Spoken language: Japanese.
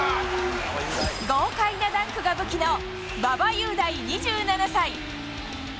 豪快なダンクが武器の馬場雄大２７歳。